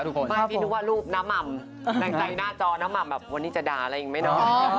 โทษท่านไม่ที่นึกว่ารูปน้ำอ่ำในใจหน้าจอน้ำอ่ำแบบวันนี้จะเดาอะไรอำยก็ไม่นอน